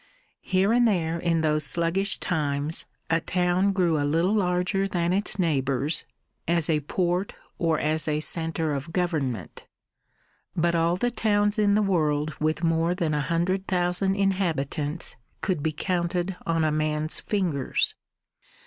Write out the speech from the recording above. Here and there, in those sluggish times, a town grew a little larger than its neighbours, as a port or as a centre of government; but all the towns in the world with more than a hundred thousand inhabitants could be counted on a man's fingers.